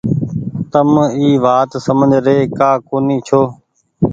تم اي وآت سمجه ري ڪآ ڪونيٚ ڇو۔